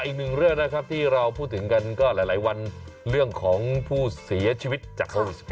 อีกหนึ่งเรื่องนะครับที่เราพูดถึงกันก็หลายวันเรื่องของผู้เสียชีวิตจากโควิด๑๙